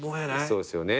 そうですよね。